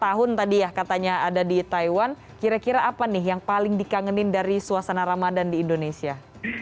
dua puluh tahun tadi ya katanya ada di taiwan kira kira apa nih yang paling dikangenin dari suasana ramadan di indonesia